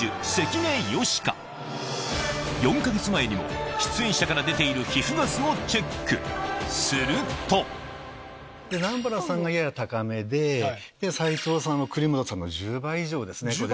４か月前にも出演者から出ている皮膚ガスをチェックすると南原さんがやや高めで斉藤さん国本さんの１０倍以上。